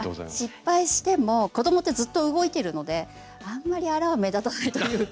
失敗しても子どもってずっと動いてるのであんまりあらは目立たないというか。